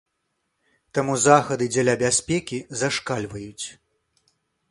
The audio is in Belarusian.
Таму захады дзеля бяспекі зашкальваюць.